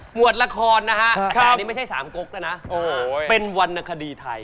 หมวดละครนะฮะอธิบายนี้ไม่ใช่สามโก๊กนะเป็นวรรณคดีไทย